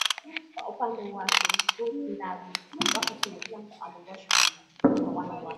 Kwa upande wake Ruth Ndagu wa Kituo cha Msaada wa Sheria kwa Wanawake na